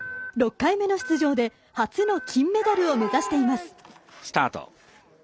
６回目の出場で初の金メダルを目指しています。